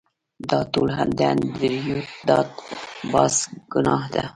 دا ټول د انډریو ډاټ باس ګناه ده